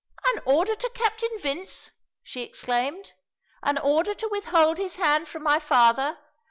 "An order to Captain Vince!" she exclaimed, "an order to withhold his hand from my father?